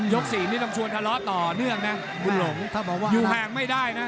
ยก๔นี่ต้องชวนทะเลาะต่อเนื่องนะบุญหลงอยู่ห่างไม่ได้นะ